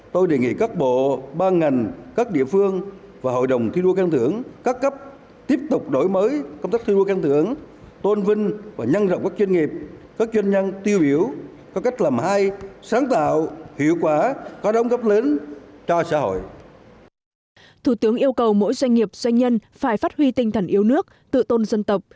thủ tướng yêu cầu mỗi doanh nghiệp doanh nhân phải phát huy tinh thần yếu nước tự tôn dân tộc